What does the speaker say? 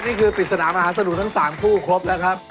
นี่คือปริศนามหาสนุกทั้ง๓คู่ครบแล้วครับ